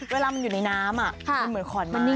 เวลามันอยู่ในน้ำมันเหมือนขอนมันนิ่